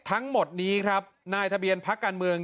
ทั้งหมดนี้นายทะเบียนภาคการเมือง